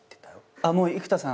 あっもう生田さん。